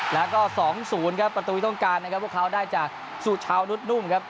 แล้วก็๒๐ครับประตูที่ต้องการนะครับพวกเขาได้จากสุชาวนุษนุ่มครับ